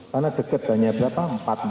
karena deket hanya berapa